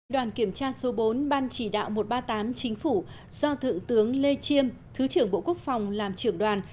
đoàn kiểm tra số bốn ban chỉ đạo một trăm ba mươi tám chính phủ do thượng tướng lê chiêm thứ trưởng bộ quốc phòng làm trưởng đoàn